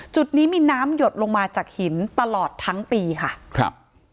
จุดนี้มีน้ำหยดลงมาจากหินตลอดทั้งปีค่ะครับ